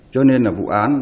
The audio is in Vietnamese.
cho nên là vụ án